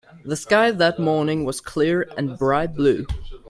The sky that morning was clear and bright blue.